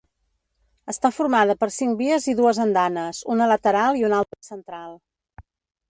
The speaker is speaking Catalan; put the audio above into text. Està formada per cinc vies i dues andanes, una lateral i una altra central.